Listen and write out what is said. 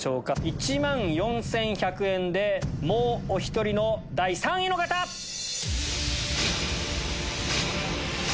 １万４１００円でもうお１人の第３位の方！え